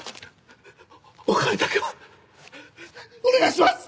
お願いします！